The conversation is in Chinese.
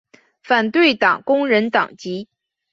反对党工人党籍。